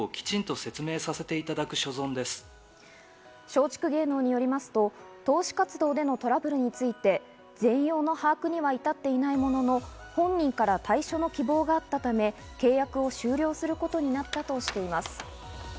松竹芸能によりますと、投資活動でのトラブルについて、全容の把握には至っていないものの、本人から退所の希望があったため、契約を終了することになったとしています。